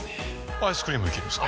アイスクリームもいけるんですか？